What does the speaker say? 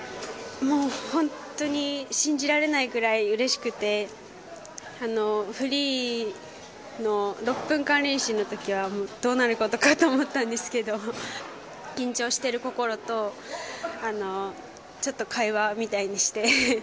もう本当に信じられないくらいうれしくてフリーの６分間練習の時はどうなることかと思ったんですけど緊張している心とちょっと会話みたいにして。